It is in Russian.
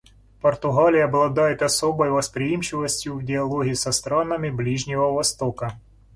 Португалия обладает особой восприимчивостью в диалоге со странами Ближнего Востока.